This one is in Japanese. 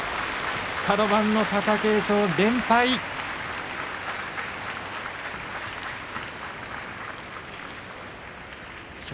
カド番の貴景勝、連敗です。